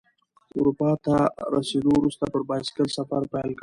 اروپا ته رسیدو وروسته پر بایسکل سفر پیل کړ.